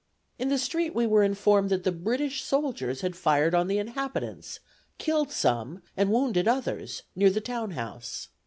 In the street we were informed that the British soldiers had fired on the inhabitants, killed some and wounded others, near the town house.